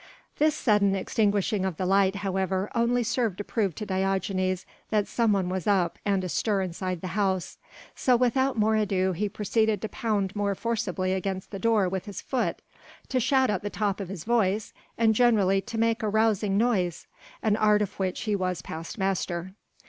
This sudden extinguishing of the light, however, only served to prove to Diogenes that some one was up and astir inside the house, so without more ado he proceeded to pound more forcibly against the door with his foot, to shout at the top of his voice, and generally to make a rousing noise an art of which he was past master.